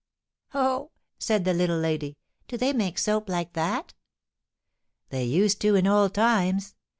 "Ho!" said the Little Lady. "Do they make soap like that?" They used to in old times.